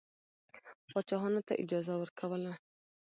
پاچاهانو ته اجازه ورکوله.